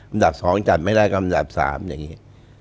อันดับ๒จัดไม่ได้ก็ลำดับ๓อย่างนี้